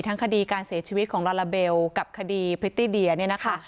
คดีการเสียชีวิตของลาลาเบลกับคดีพริตตี้เดียเนี่ยนะคะ